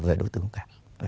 về đối tượng cả